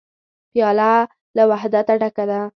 پیاله له وحدته ډکه ده.